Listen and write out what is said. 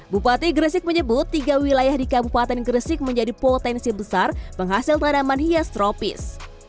bupati gresik menyebut tiga wilayah di kabupaten gresik menjadi potensi besar penghasil tanaman hias tropis